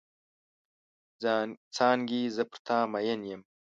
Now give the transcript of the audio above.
څانګې زه پر تا مئن یم.